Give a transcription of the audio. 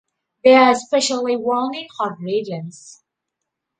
They are especially worn in hot regions.